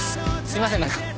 すいません何か。